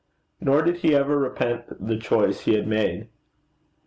Nor did he ever repent the choice he had made.